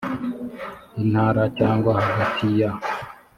intara cyangwa hagati ya